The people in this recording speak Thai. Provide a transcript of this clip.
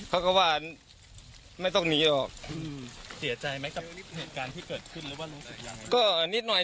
เขาก็ก็จะไหวไม่ต้องหนีอย่างแบบสิพี่ซ้ายไหมทำเฉพาะอะไรก็นิดหน่อย